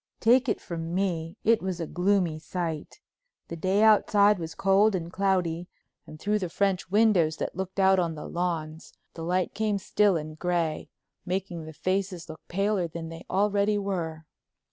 Take it from me, it was a gloomy sight. The day outside was cold and cloudy, and through the French windows that looked out on the lawns, the light came still and gray, making the faces look paler than they already were.